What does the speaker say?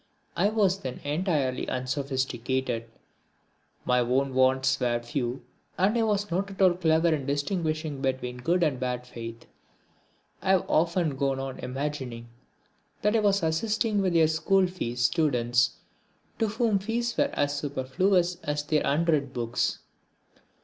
I was then entirely unsophisticated, my own wants were few, and I was not at all clever in distinguishing between good and bad faith. I have often gone on imagining that I was assisting with their school fees students to whom fees were as superfluous as their unread books.